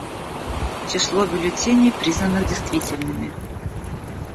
Число бюллетеней, признанных действительными.